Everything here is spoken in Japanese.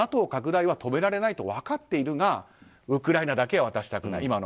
拡大は止められないと分かっているがウクライナだけは渡したくない。